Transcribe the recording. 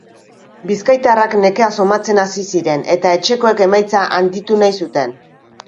Bizkaitarrak nekea somatzen hasi ziren eta etxekoek emaitza handitu nahi zuten.